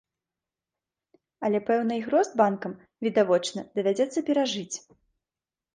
Але пэўны іх рост банкам, відавочна, давядзецца перажыць.